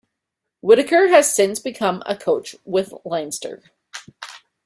Whitaker has since become a coach with Leinster.